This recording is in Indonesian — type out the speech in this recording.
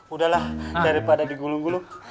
udahlah daripada digulung gulung